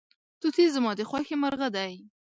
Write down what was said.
توتي زما د خوښې مرغه دی.